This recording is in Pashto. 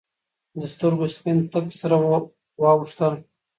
د سترګو سپین تک سره واوختېدل.